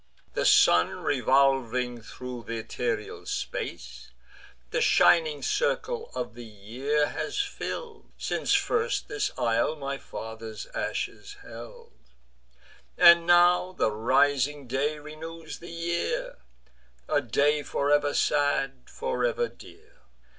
The sun, revolving thro' th' ethereal space, The shining circle of the year has fill'd, Since first this isle my father's ashes held: And now the rising day renews the year; A day for ever sad, for ever dear.